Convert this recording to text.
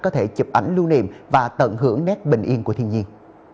có thể chụp ảnh lưu niệm và tận hưởng nét bình yên của thiên nhiên